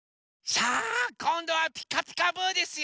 さあこんどは「ピカピカブ！」ですよ。